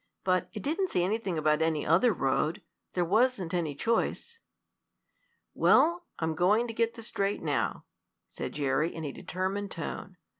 "But it didn't say anything about any other road. There wasn't any choice." "Well, I'm going to get this straight now," said Jerry, in a determined tone.